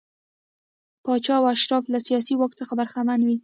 پاچا او اشراف له سیاسي واک څخه برخمن وي.